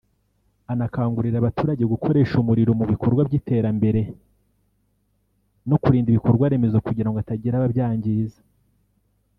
anakangurira abaturage gukoresha umuriro mu bikorwa by’iterambere no kurinda ibikorwaremezo kugira ngo hatagira ababyangiza